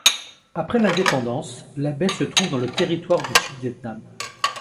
Après l'indépendance, la baie se trouve dans le territoire du Sud Viêt Nam.